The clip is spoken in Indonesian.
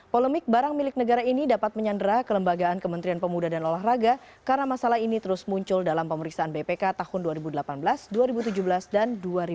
polemik barang milik negara ini dapat menyandera kelembagaan kementerian pemuda dan olahraga karena masalah ini terus muncul dalam pemeriksaan bpk tahun dua ribu delapan belas dua ribu tujuh belas dan dua ribu delapan belas